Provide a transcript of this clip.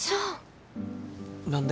何で？